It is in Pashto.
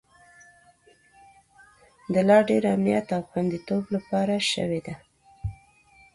د لا ډیر امنیت او خوندیتوب لپاره شوې ده